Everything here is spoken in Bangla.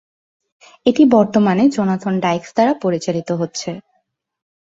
এটি বর্তমানে জোনাথন ডাইকস দ্বারা পরিচালিত হচ্ছে।